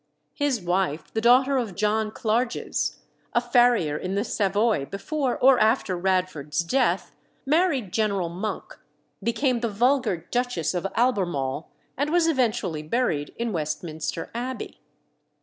His wife, the daughter of John Clarges, a farrier in the Savoy before or after Radford's death, married General Monk, became the vulgar Duchess of Albemarle, and was eventually buried in Westminster Abbey.